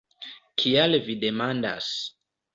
Kial vi demandas?